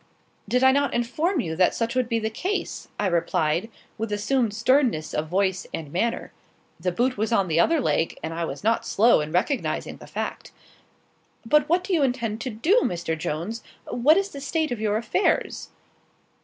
"Did I not inform you that such would be the case?" I replied, with assumed sternness of voice and manner. The boot was on the other leg, and I was not slow in recognising the fact. "But what do you intend to do, Mr. Jones? What is the state of your affairs?"